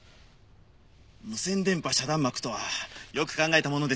無線電波遮断幕とはよく考えたものですね。